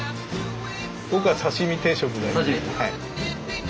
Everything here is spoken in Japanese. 僕は刺身定食で。